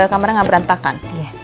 kamarnya gak berantakan